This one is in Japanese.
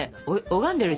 拝んでるし。